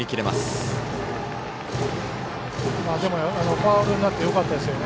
ファウルになってよかったですね。